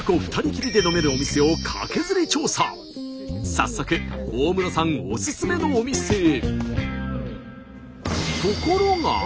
早速大室さんおすすめのお店へ。